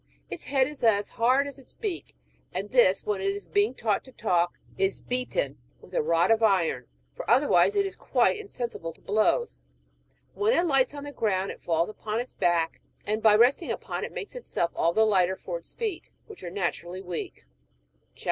Its head is as hard as its beak ; and this, when it is being taught to talk, is beaten with a rod of iron, for otherwise it is quite insensible to blows. When it lights on the ground it falls upon its beak, and by resting upon it makes itself all the lighter for its feet, which are naturally weak. CHAP.